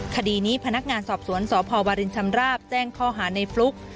คดีนี้พนักงานสอบสวนสพวรินชำราบแจ้งข้อหาในฟลุ๊ก